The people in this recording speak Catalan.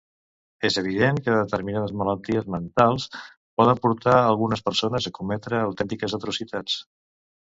És evident que determinades malalties mentals poden portar algunes persones a cometre autèntiques atrocitats.